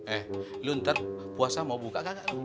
eh lo ntar puasa mau buka gak gak lo